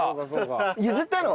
譲ったの？